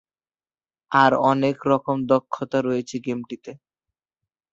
আর অনেক রকম দক্ষতা রয়েছে গেমটিতে।